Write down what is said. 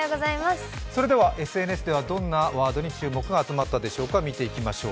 ＳＮＳではどんなワードに注目が集まったでしょうか、見ていきましょう。